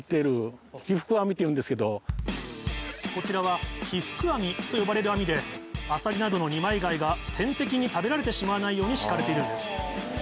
こちらは被覆網と呼ばれる網でアサリなどの二枚貝が天敵に食べられてしまわないように敷かれているんです。